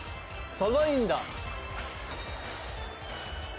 サザインだ。